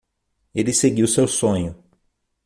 Ele seguiu seu sonho.